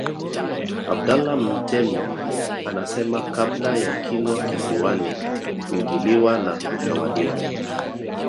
Abdallah Mtemi anasema kabla ya Kilwa Kisiwani kuingiliwa na kutawaliwa